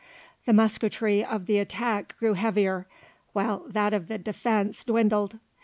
The musketry of the attack grew heavier, while that of the defence dwindled.